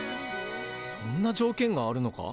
そんな条件があるのか？